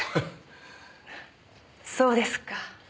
そうですか。